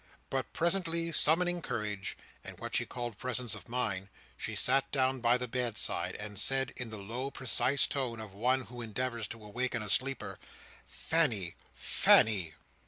But presently summoning courage, and what she called presence of mind, she sat down by the bedside, and said in the low precise tone of one who endeavours to awaken a sleeper: "Fanny! Fanny!"